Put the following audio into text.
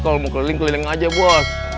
kalau mau keliling keliling aja bos